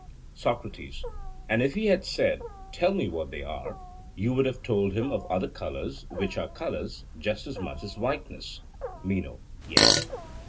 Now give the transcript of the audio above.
SOCRATES: And if he had said, Tell me what they are? you would have told him of other colours which are colours just as much as whiteness. MENO: Yes.